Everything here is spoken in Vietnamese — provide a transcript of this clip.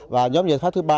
và nhóm giải pháp thứ ba